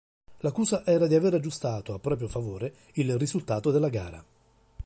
L'accusa era di aver aggiustato, a proprio favore, il risultato della gara.